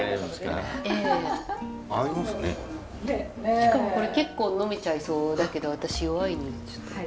しかもこれ結構呑めちゃいそうだけど私弱いのでちょっと。